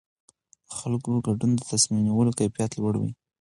د خلکو ګډون د تصمیم نیولو کیفیت لوړوي